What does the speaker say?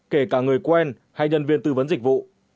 kể cả người quen hay nhân viên tư vấn dịch vụ